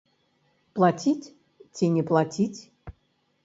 Плаціць ці не плаціць?